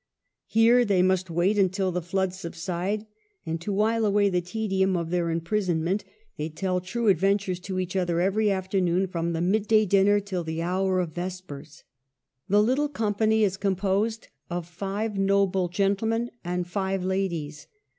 Here they must wait until the floods subside; and, to while away the tedium of their imprisonment, they tell THE '' heptameron:' 209 true adventures to each other every afternoon from the midday dinner till the hour of vespers. The little company is composed of five noble gentlemen and five ladies.